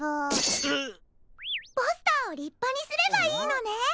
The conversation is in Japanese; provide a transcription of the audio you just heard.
ポスターをりっぱにすればいいのね？